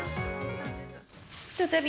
再び、